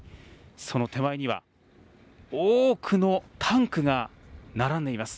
その手前には多くのタンクが並んでいます。